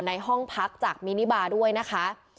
ในห้องพักจากมินิบาด้วยนะคะ